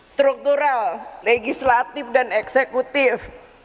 struktural legislatif dan eksekutif